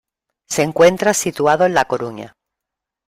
Se encuentra situado en La Coruña.